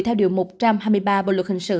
theo điều một trăm hai mươi ba bộ luật hình sự